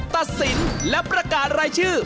ตัดสินและประกาศรายชื่อ